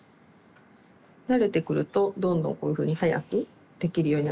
慣れてくるとどんどんこういうふうに早くできるようになります。